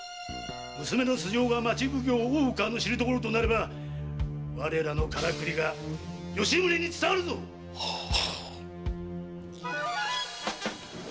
娘の素性が町奉行・大岡の知るところとなれば我らのカラクリが吉宗に伝わるぞっ！